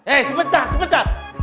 eh sebentar sebentar